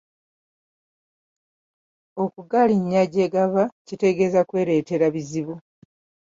Okugalinnya gye gava kitegeeza kwereetera bizibu.